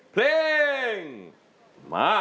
เพลงมา